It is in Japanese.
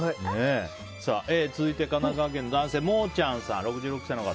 続いて神奈川県の男性、６６歳の方。